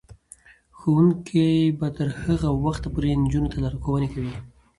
ښوونکې به تر هغه وخته پورې نجونو ته لارښوونې کوي.